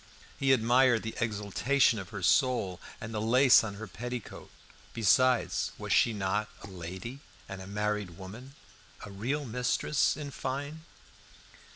He admired the exaltation of her soul and the lace on her petticoat. Besides, was she not "a lady" and a married woman a real mistress, in fine?